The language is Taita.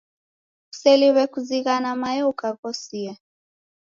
Kuseliw'e kuzighana mayo ukaghosia.